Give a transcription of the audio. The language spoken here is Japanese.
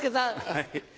はい。